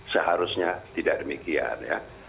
seharusnya tidak demikian ya